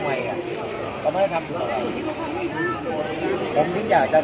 สวัสดีครับพี่เบนสวัสดีครับ